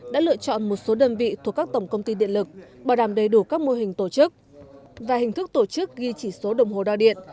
đã lựa chọn một số đơn vị thuộc các tổng công ty điện lực bảo đảm đầy đủ các mô hình tổ chức và hình thức tổ chức ghi chỉ số đồng hồ đo điện